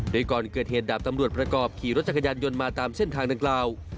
โดยก่อนเกิดเหตุดาบตำรวจประกอบขี่รถจักรยานยนต์มาตามเส้นทางดังกล่าว